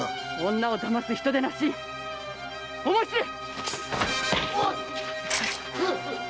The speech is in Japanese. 女を騙す人でなし思い知れ！